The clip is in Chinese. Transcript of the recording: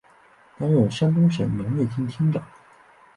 担任山东省农业厅厅长。